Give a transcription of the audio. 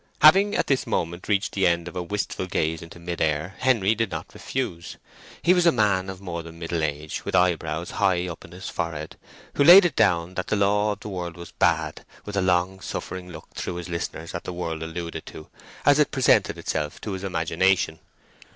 Having at this moment reached the end of a wistful gaze into mid air, Henry did not refuse. He was a man of more than middle age, with eyebrows high up in his forehead, who laid it down that the law of the world was bad, with a long suffering look through his listeners at the world alluded to, as it presented itself to his imagination.